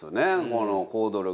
この行動力。